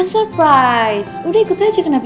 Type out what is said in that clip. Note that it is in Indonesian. enak gak pijitannya